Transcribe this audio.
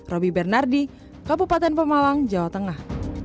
roby bernardi kabupaten pemalang jawa tengah